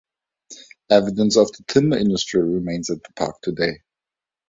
Evidence of the timber industry remains at the park today.